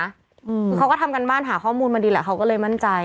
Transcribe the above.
คือเขาก็ทำการบ้านหาข้อมูลมาดีแหละเขาก็เลยมั่นใจ